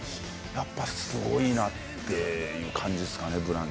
やっぱすごいなっていう感じっすかね。